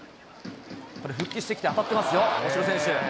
これ復帰してきて当たってますよ、大城選手。